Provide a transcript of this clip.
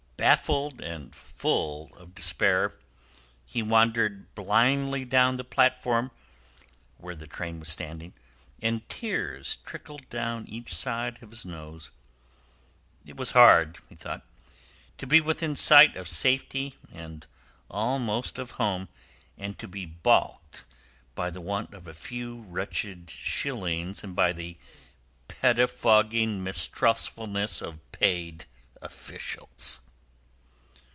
Baffled and full of despair, he wandered blindly down the platform where the train was standing, and tears trickled down each side of his nose. It was hard, he thought, to be within sight of safety and almost of home, and to be baulked by the want of a few wretched shillings and by the pettifogging mistrustfulness of paid officials.